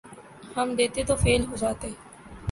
ہم دیتے تو فیل ہو جاتے